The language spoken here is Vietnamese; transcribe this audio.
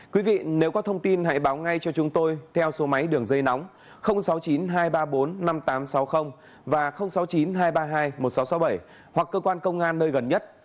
quý vị nếu có thông tin hãy báo ngay cho chúng tôi theo số máy đường dây nóng sáu mươi chín hai trăm ba mươi bốn năm nghìn tám trăm sáu mươi và sáu mươi chín hai trăm ba mươi hai một nghìn sáu trăm sáu mươi bảy hoặc cơ quan công an nơi gần nhất